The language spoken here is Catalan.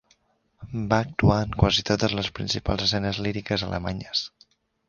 Va actuar en quasi totes les principals escenes líriques alemanyes.